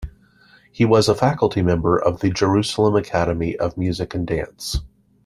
He was a faculty member of the Jerusalem Academy of Music and Dance.